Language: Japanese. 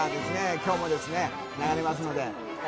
今日も流れます。